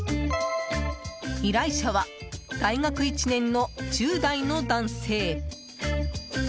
依頼者は大学１年の１０代の男性。